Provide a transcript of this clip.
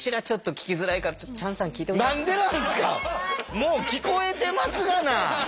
もう聞こえてますがな。